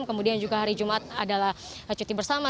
kemudian juga hari jumat adalah cuti bersama